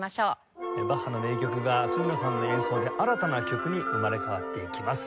バッハの名曲が角野さんの演奏で新たな曲に生まれ変わっていきます。